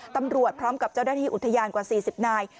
ตำรวจพร้อมกับเจ้าหน้าที่อุทยานกว่า๔๐นาย